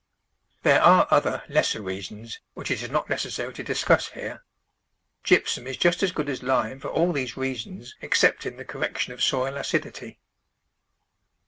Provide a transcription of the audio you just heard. There are other lesser reasons which it is not HOW TO MAINTAIN FERTILITY necessary to discuss here. Gypsum is just as good as lime for all these reasons excepting the correc tion of soil acidity.